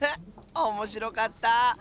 おもしろかった！